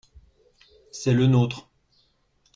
c'est le nôtre.